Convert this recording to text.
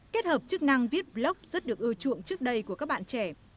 kết hợp chức năng vip blog rất được ưa chuộng trước đây của các bạn trẻ